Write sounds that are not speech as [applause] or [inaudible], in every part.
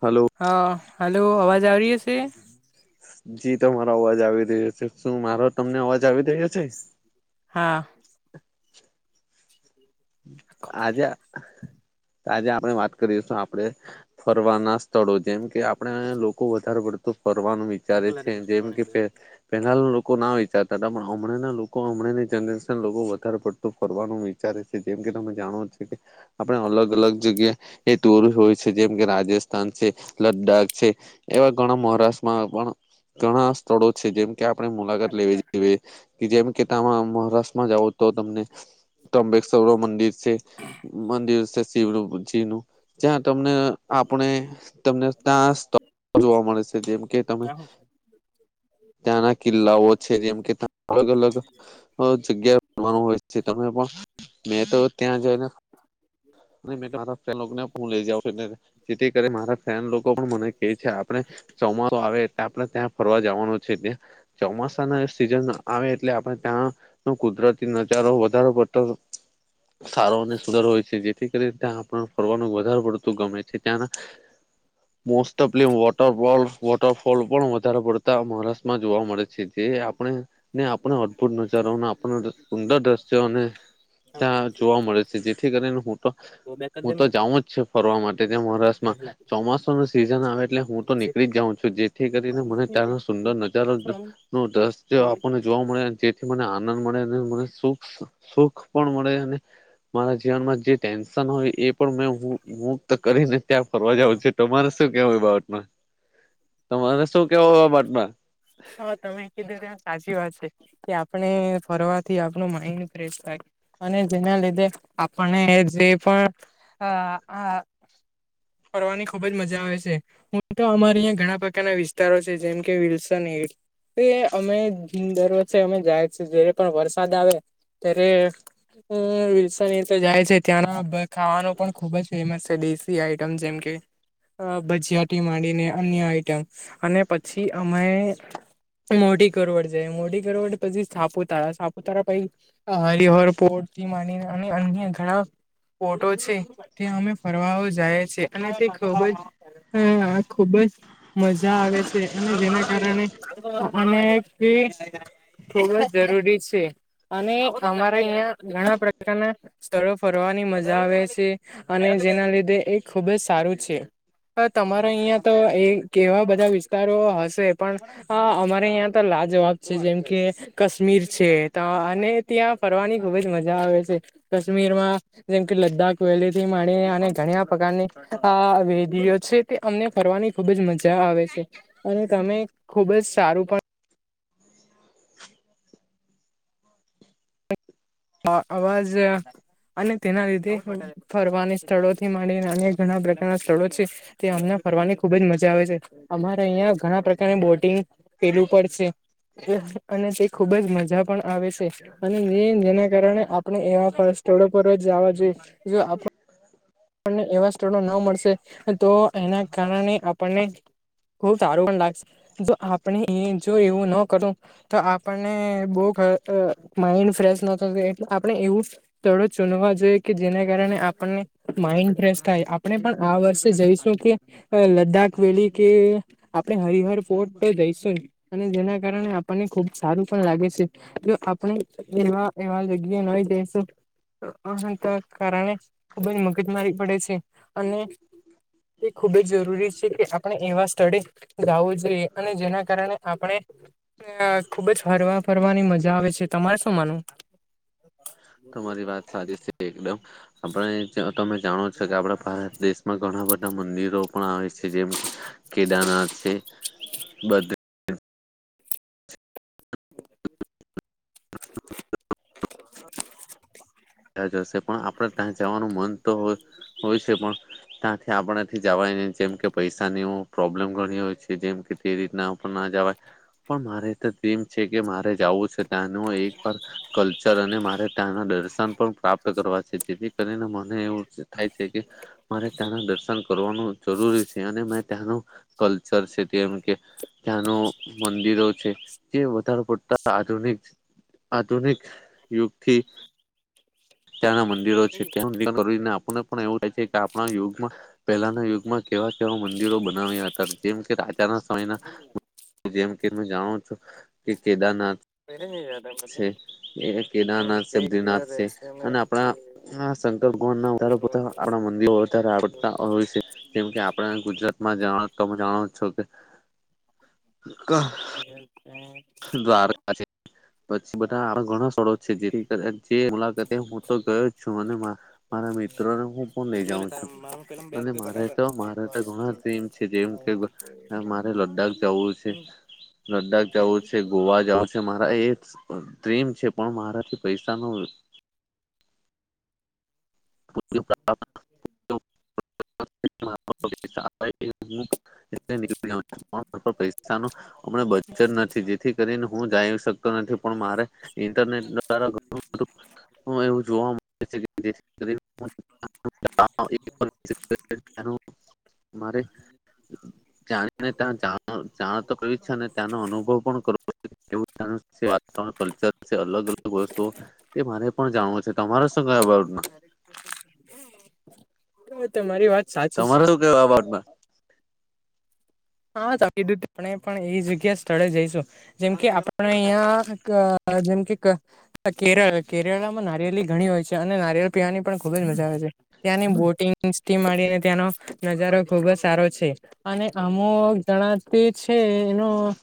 Hello. હ hello, અવાજ આવીયુ શે? જી તમારો અવાજ આવી રહ્યો છે, શું મારો તમને અવાજ આવી રહ્યો છે? હા. [inaudible] આજે આજે આપણે વાત કરીશું આપડે. ફરવાના સ્થળો જેમ કે આપણે લોકો વધારે પડ તો ફરવાનું વિચારે છે જેમ કે પેટ પહેલા લોકો ના વિચારતા હતા પણ હમણાં લોકો હમણાં ની જનરેશન લોકો વધારે પડતું ફરવાનું વિચારે છે. જેમ કે તમે જાણો છે કે. આપણે અલગ અલગ જગ્યા એ ટૂર હોય છે જેમ કે રાજસ્થાન છે લદ્દાક છે. એવા ઘણા મહારાષ્ટ્રમાં પણ ઘણા સ્થળો છે જેમ. કે આપણે મુલાકાત લેવી જોઈએ કે જેમ કે તામાં મહારાષ્ટ્રમાં જાઓ. તો તમને ત્રંબેશ્વરન મંદિર છે મંદિર છે શિવનુંજી નું. જ્યાં તમને આપણે. તમને ત્યાં [unintelligible] જોવા મળે છે, જેમ કે તમે. ત્યાંના કિલ્લાઓ છે, જેમ કે ત્યાં અલગ અલગ જગ્યા. રવાવાનું હોય છે, તમે પણ મેં તો ત્યાં જઈને. [unintelligible] જેથી કરી મારા ફેન લોકો પણ મને કે છે, આપડે ચોમાસો આવે એટલે આપણે ત્યાં ફરવા જવાનું. છેડે ચોમાસાના સિઝન આવે એટલે આપણે ત્યાં. કુદરતી નજારો વધારો પડતો સારો અને સુદર હોય છે જે. જેથી કરી ત્યાં આપણું ફરવાનું વધારે પડતું ગમે છે ત્યાંના. મોસ્ટઓફલી વોટરવોલ વોટરફોલ પણ વધારે પડતા મહારાષ્ટ્રમાં જોવા મળે છે જે આપણે. ને આપણને અદભુત નજારો અને આપણને ઊંડા દ્રશ્યોને. ત્યા જોવા મળે છે, જેથી કરીને હું તો હું તો જાઉજ છુ ફરવા માટે. તેને મહારાષ્ટ્રમાં ચોમાસું નુ સિઝન આવે એટલે હું તો નીકળી જ જાઉં છું જેથી કરીને મને ત્યાંનો સુંદર નજારો. નું દશ્ય આપણને જોવા મળે જેથી મને આનંદ મળે અને મને સુખ સુખ. મળે મારા જીવનમાં જે ટેન્શન હોય એ પણ મે કરીને ત્યાં ફરવા જવું છે તમારે શું કેવાય બાબત માં. તમારે શું કેવ હોવા બાટમાં. હા તમે કીધું ત્યા સાચી વાત છે કે આપણે ફરવાથી આપણું માઈન્ડ ફ્રેશ થાય. અને જેના લીધે આપને જે પણ આ આ. ફરવાની ખુબ જ મજા આવે છે હું તો અમારે અં ઘણા પ્રકારના વિસ્તારો છે જેમ કે વિહલ્સ. અમે દર વર્ષે અમે જાયીએ જયારે પણ વરસાદ આવે. ત્યારે. હ વિરસાની તો જાય છે ત્યાંના ખાવાનું પણ ખુબ જ ફેમસ છે દેશી આઈટમ જેમ કે. અ ભજીયાટી માંડીને અન્ય આઈટમ અને પછી અમે. મોઢ કરવડ જ મોઢ કરવડ પછી સાપુતારા સાપુતારા પછી હ [unintelligible] લિહર પો માંડીને અને અન્ય ઘણા ફોટો છે તે અમે ફરવા જાય છે અને તે ખૂબ જ. હ ખુબ જ મજા આવે છે અને જેના. અને ફી થોડો જરૂરી છે. અને અમારા અહિયાં ઘણા પ્રકારના સ્થળો ફરવાની મજા આવે છે. અને જેના લીધે એક. ખુબ જ સારું છે પણ તમારે અહિયાં તો એ કેવા બધા વિસ્તારો હશે. પણ અમારે અહિયાં તો લા જવાબ છે જેમ કે. કાશ્મીર છે અને ત્યાં ફરવાની ખુબ જ મજા આવે છે. કાશ્મીર માં જેમ કે લદ્દાખ વેલી. મળ અને ઘણા પ્રકારની આ વેદીઓ છે તે અમને કરવાની ખુબ જ મજા આવે છે. અને તમે ખુબ જ સારું પણ. હ આવાજ. અને તેના લીધે ફરવાની સ્થળોથી માંડી અ ઘણા પ્રકારના સ્થળો છે. તે અમને ફરવાની ખુબ જ મજા આવે છે અમારે અહિયાં ઘણા પ્રકારની બોટિંગ. પેલું પડશે અને તે ખુબ જ મજા પણ આવે છે અને [unintelligible] ના. કારણે આપણે એવા સ્થળો પર જ જવા જોઈએ જો આપણે. આપને એવા સ્થળો ન મળશે તો એના કારણે આપણને. ખુબ સારું પણ લાગશે જો આપણે એ જો એવું ન કરું. તો આપણને બહુ માઇન્ડ ફ્રેશ ન થ એટલે આપણે એવું. થોડો ચુનવા જોઈએ કે જેના કારણે આપણને. માઇન્ડ ફ્રેશ થાય આપણે પણ આ વર્ષે જઈશું કે. અ લદ્દાખ વેલી કે આપડ હરિહર ફોર્ટ જઈશું. અને જેના કારણે આપણને ખુબ સારું પણ લાગે છે જો આપણે. એવા એવા જગ્યા ન હોય જસું અંત કારણે. ખૂબ જ મગજ મારી પડે છે અને. એ ખૂબ જ જરૂરી છે કે આપણે એવા સ્થળે. લાવું જ રઈએ અને જેના કારણે આપણે. ખુબ જ હરવા ફરવાની મજા આવે છે તમારે શું માનું. તમારી વાત સારી છે એકદમ આપણે તમે જાણો છો કે આપડા ભારત દેશ. માં ઘણા બધા મંદિરો પણ આવે છે જેમ કેદારનાથ છે બધ. [inaudible] ત્યા જશે પણ આપણે ત્યાં જવાનું મન તો હોય છે પણ ત્યાંથી આપણાથી જવાને જેમ કે પૈસાની પ્રોબ્લેમ ઘણી હોય છે જેમ કે એ રીતના ઉપર ના જવાય પણ મારે તો ડ્રીમ છે કે મારે જવું છે ત્યાંનું એકવાર કલ્ચર અને મારે ના દર્શન પણ પ્રાપ્ત કરવા છે, જેથી કરીને મને એવું થાય છે કે મારે ત્યાંના દર્શન કરવાનું જરૂરી છે, અને મે ત્યાંનું કલ્ચર છે, જેમ કે ત્યાંનો મંદિરો છે, જે વધારે પડતા આધુનિક આધુનિક યુગથી ત્યાંના મંદિરો છે, ત્યાંને આપણને પણ એવું થાય છે, કે આપણા યુગમાં પહેલાના યુગમાં કેવા કેવા મંદિરો બનાવ્યા હતા જેમ કે રાજાના સમયના જેમ કે હું જાણો છું કે કેદારનાથ છે, એ કેદારનાથ સબ્રીનાથ છે. અને આપણા શંકર ભગવાન નાાર આપણા મંદિરો વધારે આવડતા હોય છે. જેમ કે આપણે ગુજરાતમાં જાણ તો જાણાવ છો કે એ છે [unintelligible] [unintelligible] જેથી જે મુલાકાતે હું તો ગયો છું અને મારા મિત્રોને હું હ લઈ જાઉં છું અને મારે તો મારે તો ઘણા ટમ છે, જેમ કે એટલે મારે આ લદ્દાખ હ જવું છે [unintelligible] લદ્દાખ જવું છે, ગોવા જવું છે, મારા એ ડ્રીમ છે, પણ મારાથી પૈસા ન [inaudible] [unintelligible] થી કરીને હું જ શક પણ મારે ઇન્ટરનેટ દ્વા એવું જોવા મળે જેથી મારે [inaudible] [unintelligible] જાણીને ત્યાં જાણતો ક અને ત્યાનો અનુભવ પણ કરો વાવણ કલ્ચર છે અલગ અલગ વસ્તુ તે મારે પણ જાણવું છે, તમારે શું કયા બના તમારી વાત સાચી છે તમારે શું કેય આ બાટમાં હા કીું આપણે પણ એ જગ્યા સ્થળે જઈશું જેમકે આપણે અહિયાં જેમકે કેરળ કેરળમાં નારિયલી ઘણી હોય છે, અને નારિયલ પીવાની પણ ખુબ જ મજા આવે છે. ત્યાંની બોટિંગથી મળીને ત્યાંનો નજારો ખુબ જ સારો છે, અને અમ જણાતી છે, એનો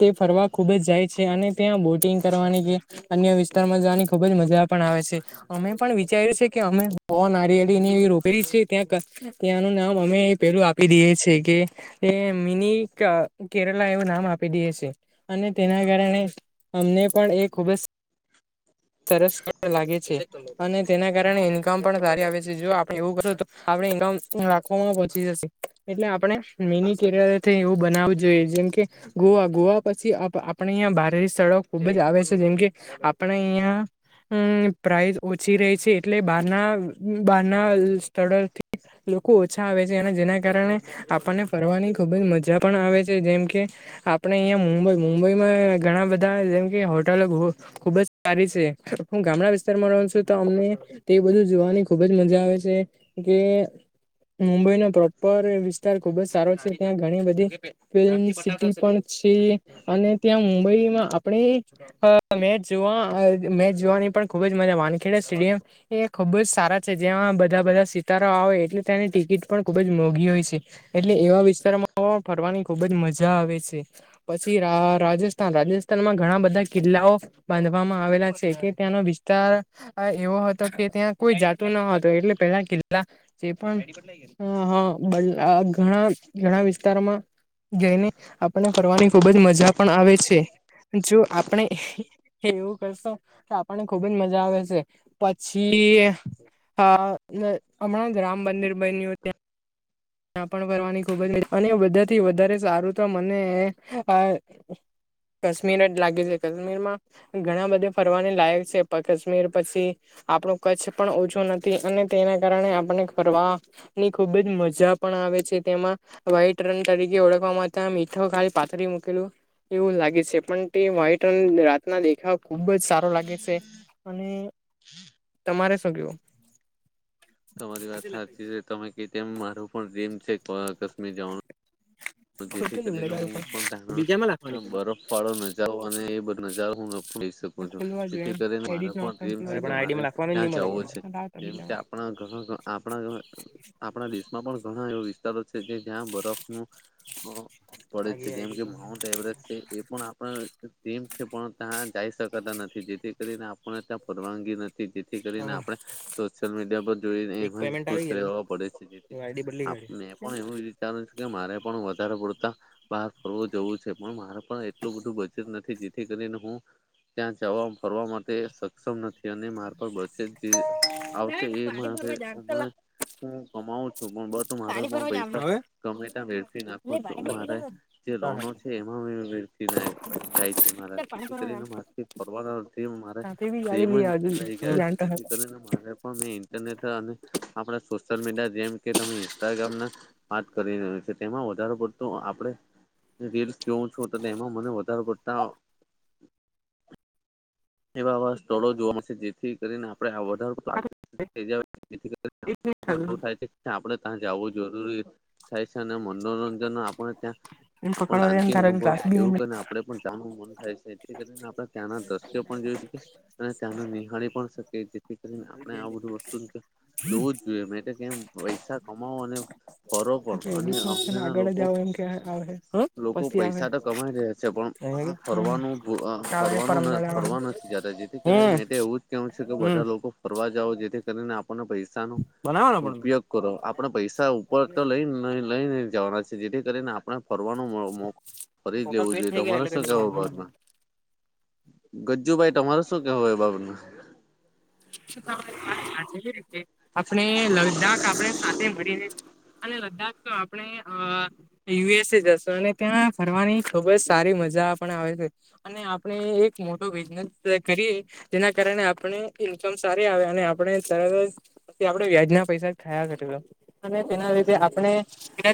તે ફરવા ખુબ જ જાય છે, અને ત્યાં બોટિંગ કરવાની જે અન્ય વિસ્તારમાં જવાની ખુબ જ મજા પણ આવે છે. અમે પણ વિચાર્યું છે, કે અમે નારિયેળી ની એવી રોપેલી છે, ત્યાં ત્યાંનું નામ અમે એ પેલું આપી દઈએ છેીએ કે એ મિની કેરલા એવું નામ આપી દે છે, અને તેના કારણે અમને પણ એ ખુબ જ સરસ લાગે છે. અને તેના કારણે ઈન્કમ પણ સારી આવે છે જો આપડે એવું કરશું તો આપડણે ઈન્કમ રાખવામાં પોહોંચી જશે એટલે આપણે મિની કેરથી એવું બનાવવું જોઈએ જેમ કે ગોવા ગોવા પછી આપણે અહંયા બારે સ્થળો ખુબ જ આવે છે, જેમકે આપણા અયા હમ પ્રઇઝ ઓછી રહી છે, એટલે બારના બારના સ્થળોથી લોકો ઓછા આવે છે, અને જેના કારણે આપણને ફરવાની ખુબ જ મજા પણ આવે છે જેમ કે આપડે અહિયાં મુંબઈ મુંબઈમાં ઘણા બધા જેમ કે હોટલ ખુબ જ સારી છે, હું ગામડા વિસ્તારમાં રહું છું તો અમને તે એ બધું જોવાની ખુબ જ મજા આવે છે, કે મુંબઈનો પ્રોપર વિસ્તાર ખુબ જ સારો છે, ત્યા ધણી બધી ફિલ્મ સિટી પણ છે, અને ત્યાં મુંબઈમાં આપણી મેચ જોવા મેચ જોવાની પણ ખૂબ જ મને વાનખેડે સ્ટેડિયમ એ ખુબ જ સારા છે, જેમાં બધા બધા સિતારો આવે એટલે ત્યાંની ટિકિટ પણ ખુબ જ મોંઘી હોય છે. એટલે એવા વિસ્તારમાં ફરવાની ખુબ જ મજા આવે છે. પછી રાજસ્થાન રાજસ્થાનમાં ઘણા બધા કિલ્લાઓ બાંધવામાં આવેલા છે, કે ત્યાંનો તાર એવો હતો કે ત્યાં કોઈ જાતુ ન હતો, એટલે પેલા કિલ્લા જે પણ હા હા ઘણા ઘણા વિસ્તારમાં જઈને આપણેને ફરવાની ખુબ જ મજા પણ આવે છે, જો આપણે એવું કરશો કે આપણને ખુબજ મજા આવે છે, પછી હા હમણાં જ રામ મંદિર બન્યું ત્યાં ત્યાં પણ ફરવાની ખૂબ જ અને બધાથી વધારે સારું તો મને કશ્મીર લાગી છે કશ્મીરમાં ઘણા બધે ફરવાની લાયક છે, કાશ્મીર પછી આપણો કચ્છ પણ ઓછો નથી અને તેના કારણે આપને ફરવાની ખુબ જ મજા પણ આવે છે તેમાં વ્હાઈટ રન તરીકે ઓળખવાવામાં મીઠું ખાલી પાથરી મૂકેલું. એવું લાગે છે, પણ તે વાઈટ રાતના દેખા ખુબ જ સારો લાગે છે, અને તમારે શું કેવુ? તમારી વાત સાચી છે, તમે કે તેમ મારું પણ ડ્રીમ છે કાશ્મીર જવાનું. જેથી ખોટું નિમલે કરીને તારું હું પણ પણનો બરફ વાળો નજાર અને એ બધો નજારો, હું લઈ શકો આ છો ખોલવા જોઈએ જેથી એમ કરીને મારો એડિટ નો પણ ઓપ્શન ડ્રીમ છે, કે મારે ત્યાં જાવુ છે. ખોલવા જેમ કે જોઈએ આપણા ઘણા આપણા આપણા દેશમાં પણ ઘણા એવા વિસ્તારો છે, કે જ્યાં બરફનું પડે છે જેમ કે માઉન્ટ એવરેસ્ટ છે, એ પણ ડ્રિમ છે પણ ત્યાં જઈ શકાતા નથી, જેથી કરીને આપણને ત્યાં પરવાનગી નથી. જેથી કરીને આપણે સોશિયલ મીડિયા પર જોઈને એમાં જ ખુશ રહેવા પડે છે, જેથી આપ મેં પણ એવું વિચાર્યું છે, કે મારે પણ વધારે પડતા બહાર ફરવો જવું છે, પણ મારે પણ એટલું બધું બજેટ નથી જેથી કરીને હું ત્યાં જવા ફરવા માટે સક્ષમ નથી, અને મા આવશે એ પાણી ભરવા જા ચલા હું કમાવું છું, પણ બસ મારે પાણી પણ ભરવા જા પૈસા ગમેત્યા વેડફી નાખુ હ મારે જે રોનો છે એમાં જાય છે, મારા જેથી કરીને ફરવામા સાથે બી જ ગાડી લઈ આવજો રહી ગયા છે, જાણતા જેથી હતા કરીને મારે પણ મે ઇન્ટરનેટ અને આપણા સોશિયલ મીડિયા જેમ કે તમે ઇન્સ્ટાગ્રામ ના વાત કરીને છે, તેમાં વધ પડતી આપણે રીલ્સ જોવું છું, એમાં મને વધારે પડતા એવા એવા સ્થળો જોવા મળશે જેથી કરીને આપણેે આ વધારો કચ [inaudible] થી એ પકડવા થાય છે આપે ત્યાં જવું જરૂરી [unintelligible] થાય છે, અને મનોરંજન આપણે ત્યાં આપ શાંતિ જાય તારા અનુભવ ગ્લાસ બી ન એવુંને આપે પણ જવાનું મન થાય છે, તે કરીને આપડે ત્યાં ના જશે, જોઈ શકે અને ત્યાના નિહાળી પણ શકે જેથી કરીને આપણે આ બધું વસ્તુ જોવું જ જોઈએ મે તો કેમ પૈસા કમાવો અને ફરો પણ એટલે અને એડિશન ઓપ્શન હમણા ના આગળ જ લોકો આવે એમ કે આવે લોકો પછી આવે પૈસા તો કમાઈ રહ્યા છે, છે પણ આ હમ ફરવાનું કાલે પરમ ફરવાનું દાડે આવે ફરવા નથી જાતા જેથી કરીને મે એવું જ કેહવું છે, કે બધા લોકો ફરવા જાવ જેથી કરીને આપણને પૈસા પૈસા નો ઉપયોગ કરો, આપડે પૈસા ઉપર તો લઈને નહી લઈને જવાના છે જેથી કરીને આપણા ફરવાનો મો ફરી જ લેવું જોઈએ તમારે શું કેવા ભાગમાં. ગજ્જુભાઈ તમારે શું કેવું એ બાબત મા [inaudible] આપણે લદ્દાખ આપણે સાથે મળીને. અને લદધા આપણે અ. યુએસ એ જશો અને ત્યાં ફરવાની ખુબ જ સારી મજા પણ આવે છે. અને આપણે એક મોટો બિઝનેસ કરીએ જેના કારણે આપણે. ઇન્કમ સારી આવે અને આપણે સરત જ આપડે વ્યાજના પૈસા જ ખાયા કરે. અને તેના લીધે આપણે.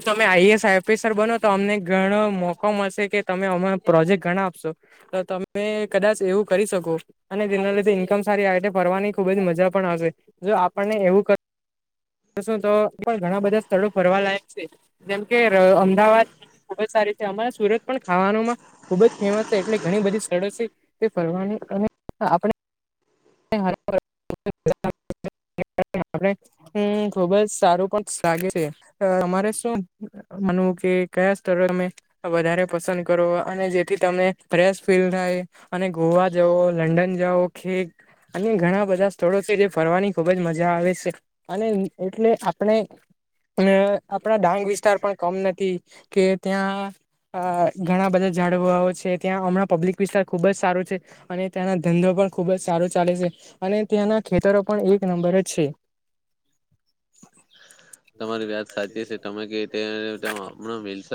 તમે આઈએસ ઓફિસર બનો તો અમને ઘણો મોકો મળશે કે તમે અ પ્રોજેક્ટ ઘણા આપશો. તો તમે કદાચ એવું કરી શકો અને જેના લીધ ઇન્કમ સારી આવે. ફરવાની ખુબ જ મજા પણ આવે જો આપણને એવું. તો શું તો પણ ઘણા બધા સ્થળો ફરવા લાયક છે જેમ કે અમદાવાદ. ખુબ જ સારી છે અમારે સુરત પણ ખાવાનું માં. ખુબ જ ફેમસ છે એટલે ઘણી બધી સ્થળો છે તે ફરવાની અને આપણે. [inaudible] આપણે. હમ ખુબ જ સારું પણ લાગે છે અમારે શું. મનવું કે કયા સ્તરે અમે. વધારે પસંદ કરો અને જેથી તમને ફેશ ફીલ થાય અને ગોવા જઓ લંડન જાઓ ખે. અ ઘણા બધા સ્થળો છે જે ફરવાની ખુબજ મજા આવે છે. અને એટલે આપણે. અને આપણા ડાંગ વિસ્તાર પણ કમ નથી કે ત્યાં. અ ઘણા બધા જાડવાઓ છે ત્યાં હમણાં પબ્લિક વિસ્તાર ખુબ જ સારો છે. અને તના ધંધો પણ ખુબ જ. સારું ચાલે છે અને ત્યાંના ખેતરો પણ એક નંબર જ છે. તમારી વાત સાચી છે તમે કે હમણાં મિલ.